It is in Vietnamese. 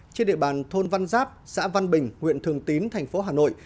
trên địa bàn thôn văn giáp xã văn bình huyện thường tín thành phố hà nội